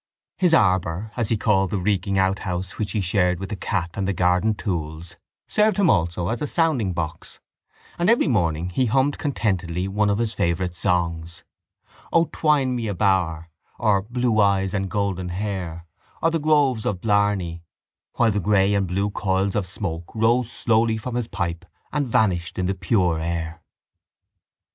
His arbour, as he called the reeking outhouse which he shared with the cat and the garden tools, served him also as a soundingbox: and every morning he hummed contentedly one of his favourite songs: O, twine me a bower or Blue eyes and golden hair or The Groves of Blarney while the grey and blue coils of smoke rose slowly from his pipe and vanished in the pure air.